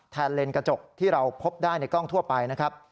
เลนกระจกที่เราพบได้ในกล้องทั่วไปนะครับ